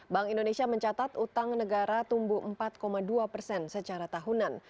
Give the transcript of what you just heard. bank indonesia mencatat utang negara tumbuh empat dua persen secara tahunan